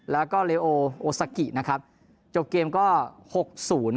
แล้วก็เลโอโอซากินะครับจบเกมก็หกศูนย์